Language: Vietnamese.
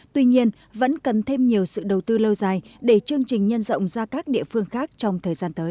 tuy nhiên vẫn cần thêm nhiều sự đầu tư lâu dài để chương trình nhân rộng ra các địa phương khác trong thời gian tới